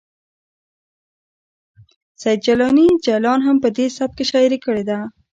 سید جیلاني جلان هم په دې سبک کې شاعري کړې ده